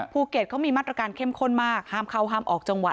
ภูเก็ตเขามีมาตรการเข้มข้นมากห้ามเข้าห้ามออกจังหวัด